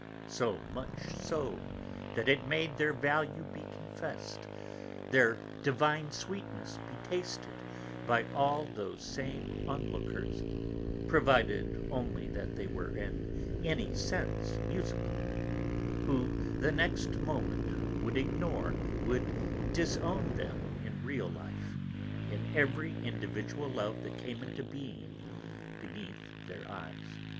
So much so that it made their value be confessed, their divine sweetness be tasted by all those same onlookers provided only that they were in any sense musical who, the next moment, would ignore, would disown them in real life, in every individual love that came into being beneath their eyes.